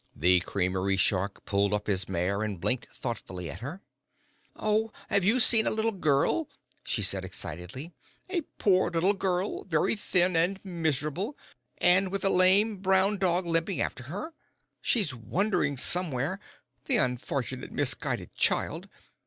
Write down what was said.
The creamery shark pulled up his mare, and blinked thoughtfully at her. "Oh, have you seen a little girl?" she said excitedly; "a poor little girl, very thin and miserable, and with a lame, brown dog limping after her? She's wandering somewhere the unfortunate, misguided child.